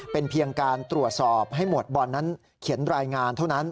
เป็นเพียงการตรวจสอบให้หมวดบอลนั้นเขียนรายงานเท่านั้น